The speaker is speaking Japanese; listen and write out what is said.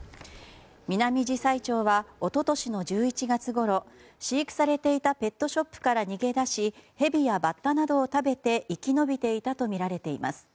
ミナミジサイチョウは一昨年の１１月ごろ飼育されていたペットショップから逃げ出しヘビやバッタなどを食べて生き延びていたとみられています。